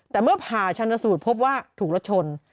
แต่เมื่อผ่าชันสูตรพบว่าถูกรถชน